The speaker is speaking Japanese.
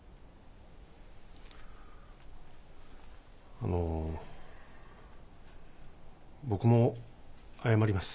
あの僕も謝ります。